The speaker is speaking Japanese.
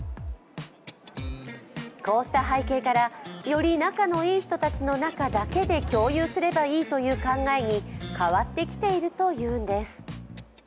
こうした背景から、より仲の良い人たちの中だけで共有すればいいという考えに変わってきているというんです。